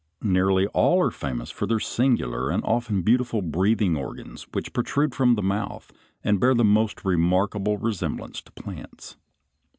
Nearly all are famous for their singular and often beautiful breathing organs which protrude from the mouth and bear the most remarkable resemblance to plants.